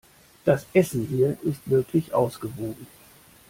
Das Essen hier ist wirklich ausgewogen.